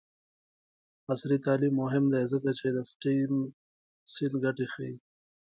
عصري تعلیم مهم دی ځکه چې د سټیم سیل ګټې ښيي.